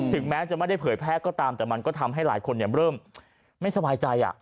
ถึงแม้จะไม่ได้เผยแพร่ก็ตามแต่มันก็ทำให้หลายคนเริ่มไม่สบายใจ